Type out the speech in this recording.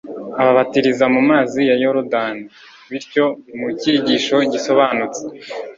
ababatiriza mu mazi ya Yorodani. Bityo mu cyigisho gisobanutse,